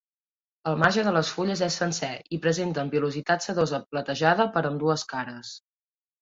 El marge de les fulles és sencer i presenten pilositat sedosa platejada per ambdues cares.